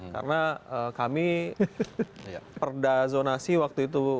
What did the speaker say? karena kami perda zonasi waktu itu